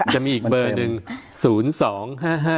จะมีอีกเบอร์หนึ่ง๐๒๕๕